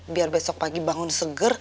biar besok pagi bangun seger